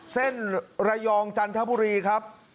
เส้นระยองจันทบุรีครับ